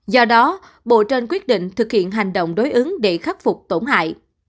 do đó bộ trên quyết định thực hiện hành động đối ứng để khắc phục tổn hại